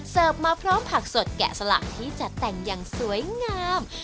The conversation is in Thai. มาพร้อมผักสดแกะสลักที่จะแต่งอย่างสวยงาม